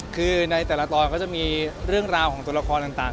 คือในแต่ละตอนก็จะมีเรื่องราวของตัวละครต่าง